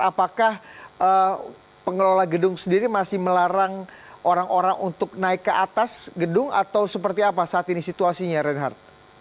apakah pengelola gedung sendiri masih melarang orang orang untuk naik ke atas gedung atau seperti apa saat ini situasinya reinhardt